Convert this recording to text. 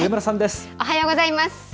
おはようございます。